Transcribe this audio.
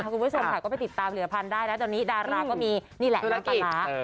คุณผู้ชมค่ะก็ไปติดตามเหลือพันธุ์ได้นะตอนนี้ดาราก็มีนี่แหละนะคะ